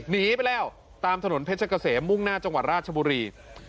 หนีไปแล้วตามถนนเพชรเกษมมุ่งหน้าจังหวัดราชบุรี